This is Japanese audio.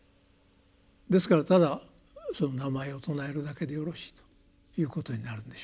ですからただその名前を称えるだけでよろしいということになるんでしょうね。